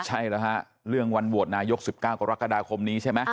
ใช่แล้วฮะเรื่องวันโหวตนายก๑๙กรกฎาคมนี้ใช่ไหม